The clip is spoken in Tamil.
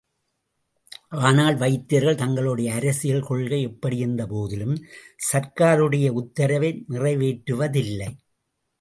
ஆனால் வைத்தியர்கள் தங்களுடைய அரசியல் கொள்கை எப்படியிருந்போதிலும், சர்க்காருடைய உத்தரவை நிறைவேற்றுவதில்லை.